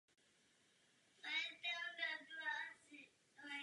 Tresty zůstaly otázkou politického rozhodování.